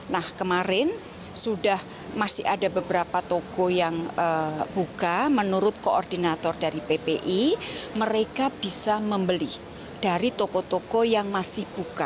nah kemarin sudah masih ada beberapa toko yang buka menurut koordinator dari ppi mereka bisa membeli dari toko toko yang masih buka